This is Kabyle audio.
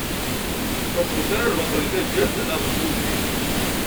Ur xeddmet ara lbaṭel di taǧǧalt neɣ deg ugujil.